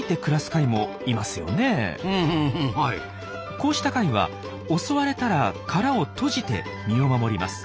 こうした貝は襲われたら殻を閉じて身を守ります。